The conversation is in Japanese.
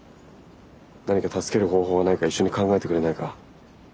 何か助ける方法はないか一緒に考えてくれないか？